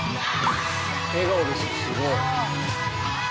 笑顔ですよすごい。